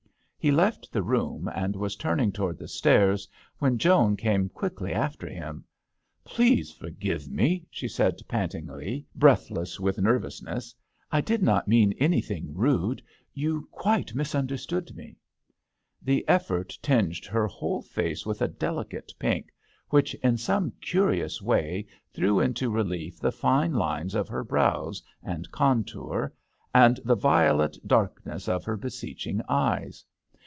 He left the room, and was turning towards the stairs, when Joan came quickly after him. " Please forgive me," she said, pantingly, breathless with ner vousness. ''I did not mean any thing rude : you quite misunder stood me." The effort tinged her whole face with a delicate pink, which in some curious way threw into relief the fine lines of her brows and contour and the violet dark ness of her beseeching eyes.